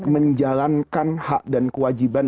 menjalankan hak dan kewajiban